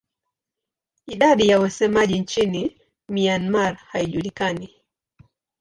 Idadi ya wasemaji nchini Myanmar haijulikani.